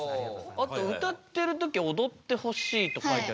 あと「歌ってる時おどってほしい」と書いてありますけど。